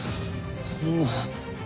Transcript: そんな。